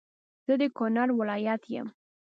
زه د کونړ ولایت یم